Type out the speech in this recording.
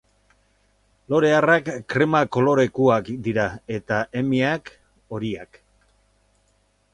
Lore arrak krema kolorekoak dira eta emeak horiak.